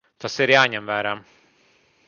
Tas ir jāņem vērā.